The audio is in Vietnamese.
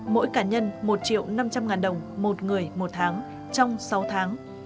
mỗi cá nhân một triệu năm trăm linh ngàn đồng một người một tháng trong sáu tháng